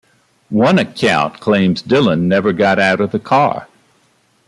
One account claims Dillon never got out of the car.